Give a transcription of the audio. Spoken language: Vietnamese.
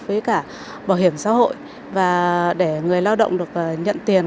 với cả bảo hiểm xã hội và để người lao động được nhận tiền